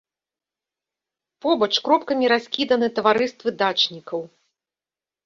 Побач кропкамі раскіданы таварыствы дачнікаў.